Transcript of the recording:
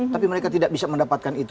tapi mereka tidak bisa mendapatkan itu